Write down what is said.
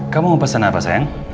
kamu mau pesan apa sayang